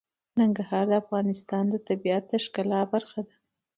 ننګرهار د افغانستان د طبیعت د ښکلا برخه ده.